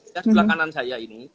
yang sebelah kanan saya ini